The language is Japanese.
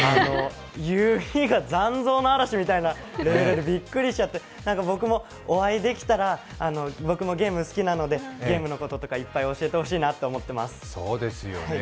指が残像の嵐みたいで、びっくりしちゃって、お会いできたら、僕もゲームが好きなのでゲームのこととかいっぱい教えてほしいなって思っています。